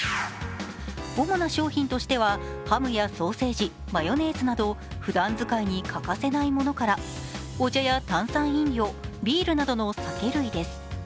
主な商品としてはハムやソーセージ、マヨネーズなどふだん使いに欠かせないものからお茶や炭酸飲料、ビールなどの酒類です。